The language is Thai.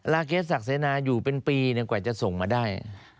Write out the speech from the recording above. เคสศักดิ์เสนาอยู่เป็นปีกว่าจะส่งมาได้